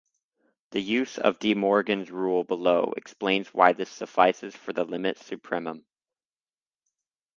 The use of DeMorgan's rule below explains why this suffices for the limit supremum.